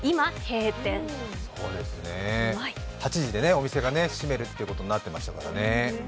８時でお店が閉まるってことになってましたからね。